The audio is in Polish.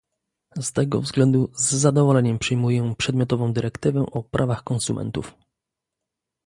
Z tego względu z zadowoleniem przyjmuję przedmiotową dyrektywę o prawach konsumentów